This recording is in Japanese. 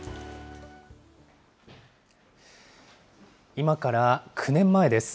今から９年前です。